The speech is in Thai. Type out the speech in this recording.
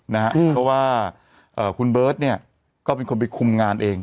เพราะว่าคุณเบิร์ตเนี่ยก็เป็นคนไปคุมงานเอง